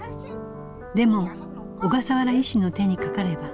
でも小笠原医師の手にかかれば。